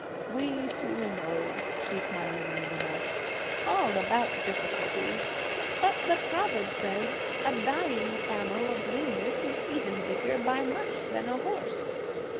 "We too know," she smilingly remarked, "all about difficulties! but the proverb says, 'A camel dying of leanness is even bigger by much than a horse!'